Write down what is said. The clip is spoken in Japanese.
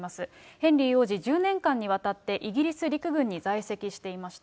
ヘンリー王子、１０年間にわたってイギリス陸軍に在籍していました。